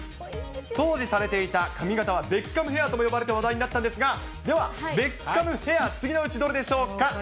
当時されていた髪形はベッカムヘアと呼ばれて話題になったんですが、では、ベッカムヘア、次のうちどれでしょうか。